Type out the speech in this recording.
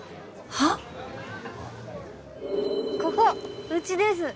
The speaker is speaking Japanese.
はいここうちです